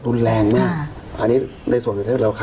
ยังไงคะ